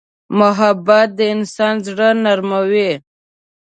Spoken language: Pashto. محبت د انسان زړه نرموي.